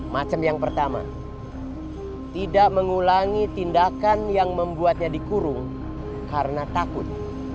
macam yang pertama tidak mengulangi tindakan yang membuatnya dikurung karena takut